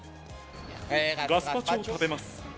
ガスパチョを食べます。